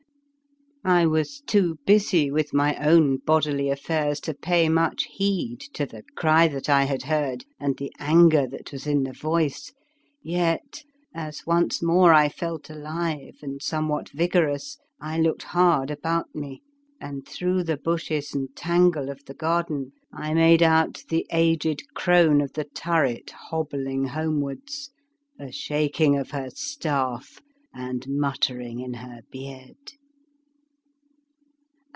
I was too busy with my own bodily affairs to pay much heed to the cry that I had heard and the anger that was in the voice, yet, as once more I felt alive and somewhat vigorous, I looked hard about me, and through the bushes and tangle of the garden I made 63 The Fearsome Island out the aged crone of the turret hob bling homewards, a shaking of her staff and muttering in her beard.